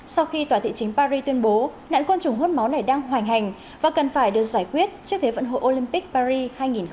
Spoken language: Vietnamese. sau khi tòa thị chính paris tuyên bố nạn quân chủng hốt máu này đang hoành hành và cần phải được giải quyết trước thế vận hội olympic paris hai nghìn hai mươi